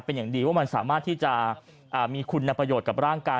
เป็นอย่างดีว่ามันสามารถที่จะมีคุณประโยชน์กับร่างกาย